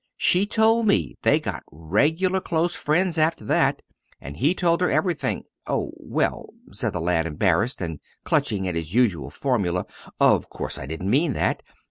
She told me they got regular close friends after that, and he told her everything oh, well," said the lad, embarrassed, and clutching at his usual formula "of course, I didn't mean that.